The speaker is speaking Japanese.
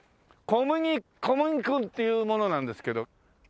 小麦小麦っていう者なんですけど。